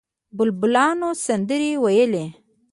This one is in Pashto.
بلبلانو سندرې ویلې.